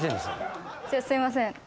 すいません。